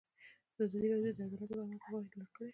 ازادي راډیو د عدالت لپاره عامه پوهاوي لوړ کړی.